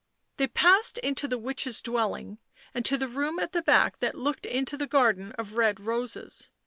They passed into the witch's dwelling, and to the room at the back that looked into the garden of red roses.